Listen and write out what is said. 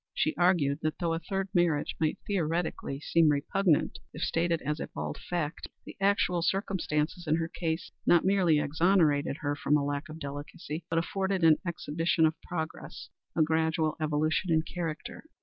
She argued, that though a third marriage might theoretically seem repugnant if stated as a bald fact, the actual circumstances in her case not merely exonerated her from a lack of delicacy, but afforded an exhibition of progress a gradual evolution in character.